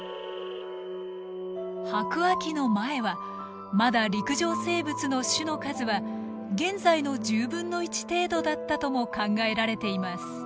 白亜紀の前はまだ陸上生物の種の数は現在の１０分の１程度だったとも考えられています。